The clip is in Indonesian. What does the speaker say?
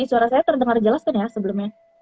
suara saya terdengar jelas kan ya sebelumnya